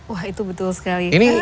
wah itu betul sekali